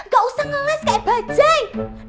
ga usah ngeles kayak bajeng